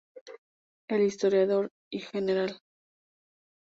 El historiador y Gral.